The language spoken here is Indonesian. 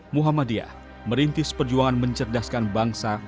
muhammadiyah merintis perjuangan mencerdaskan bangsa